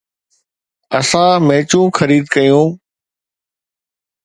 اسان ميچون خريد ڪيون.